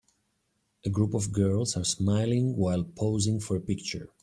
A group of girls are smiling while posing for a picture.